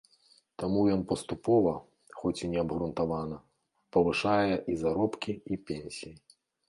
Таму ён паступова, хоць і неабгрунтавана, павышае і заробкі, і пенсіі.